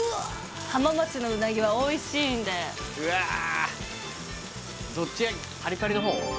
浜松のうなぎはおいしいんでうわどっち焼きパリパリの方？